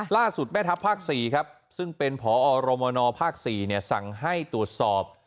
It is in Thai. แม่ทัพภาค๔ครับซึ่งเป็นพอรมนภ๔สั่งให้ตรวจสอบ